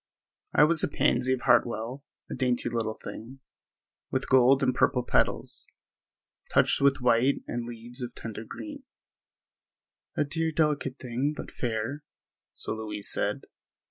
I was a Pansy of Hartwell, a dainty little thing, with gold and purple petals, touched with white, and leaves of tender green—"a dear, delicate thing, but fair," so Louise said.